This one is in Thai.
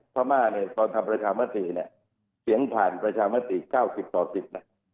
ภามาร์ตอนทำประชามาตรีเสียงผ่านประชามาตรี๙๐ต่อ๑๐